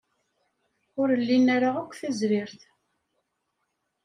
Ur lin ara akk tazrirt.